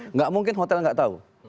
enggak mungkin hotel enggak tahu